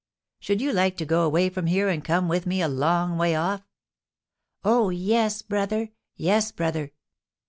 "Should you like to go away from here, and come with me a long way off?" "Oh, yes, brother!" "Yes, brother!"